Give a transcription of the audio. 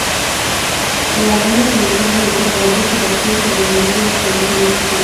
La Haganá comenzó a organizar guardias y patrullas alrededor de los establecimientos judíos.